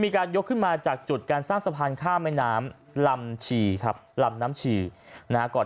มีการยกขึ้นมาจากจุดการสร้างสะพันธุ์ข้ามก็น้ำลำชี่ครับลำน้ำชี่ก่อน